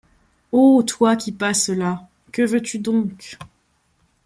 Ô toi qui passes là, que veux-tu donc ?